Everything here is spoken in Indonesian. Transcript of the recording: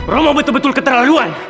roma betul betul keterlaluan